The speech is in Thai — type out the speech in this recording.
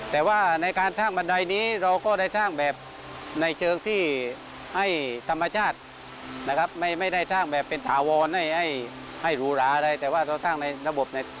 แต่ว่าสร้างในระบบแบบธรรมชาติจะมากกว่าครับ